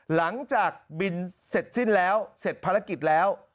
หลังจากบินเสร็จสิ้นแล้วเสร็จภารกิจแล้ว